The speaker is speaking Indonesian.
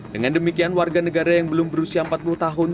dengan demikian warga negara yang belum berusia empat puluh tahun